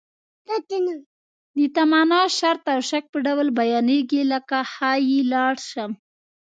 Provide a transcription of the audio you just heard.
د تمنا، شرط او شک په ډول بیانیږي لکه ښایي لاړ شم.